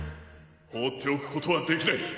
ほうっておくことはできない！